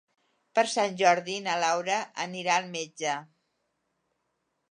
Per Sant Jordi na Laura anirà al metge.